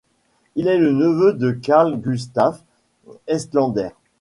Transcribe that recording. Il est le neveu de Carl Gustaf Estlander.